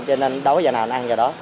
cho nên đói giờ nào anh ăn giờ đó